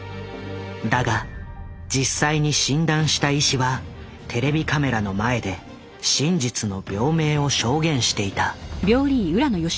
だが実際に診断した医師はテレビカメラの前で真実の病名を証言していた。